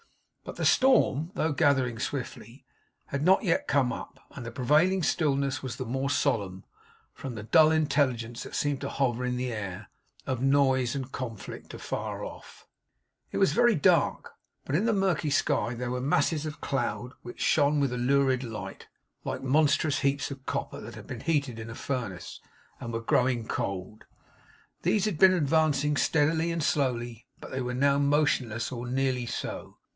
But the storm, though gathering swiftly, had not yet come up; and the prevailing stillness was the more solemn, from the dull intelligence that seemed to hover in the air, of noise and conflict afar off. It was very dark; but in the murky sky there were masses of cloud which shone with a lurid light, like monstrous heaps of copper that had been heated in a furnace, and were growing cold. These had been advancing steadily and slowly, but they were now motionless, or nearly so.